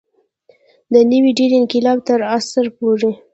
د نوې ډبرې انقلاب تر عصر پورې.